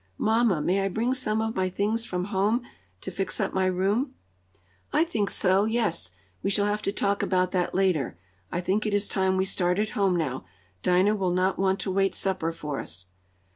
Mamma, may I bring some of my things from home to fix up my room?" "I think so yes. We shall have to talk about that later. I think it is time we started home now. Dinah will not want to wait supper for us."